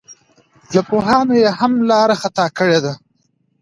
له پوهانو یې هم لار خطا کړې ده.